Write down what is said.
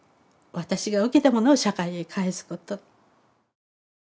私が受けたものを社会へ返すこと。